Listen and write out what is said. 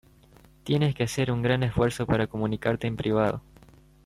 tienes que hacer un gran esfuerzo para comunicarte en privado